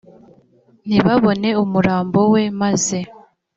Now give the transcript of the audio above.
ntibabone umurambo we maze